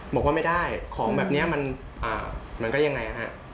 บอกว่าไม่ได้ของแบบนี้มันก็ยังไงฮะ